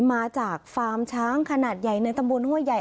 มาจากฟาร์มช้างขนาดใหญ่ในตำบลห้วยใหญ่